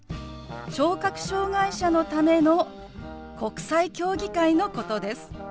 ・聴覚障害者のための国際競技会のことです。